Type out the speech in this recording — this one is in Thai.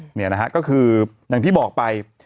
เนี่ยนะฮะก็คืออย่างที่บอกไป